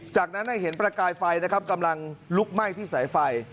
จากนั้นเห็นประกายไฟนะครับกำลังลุกไหม้ที่สายไฟ